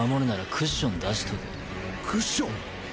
クッション？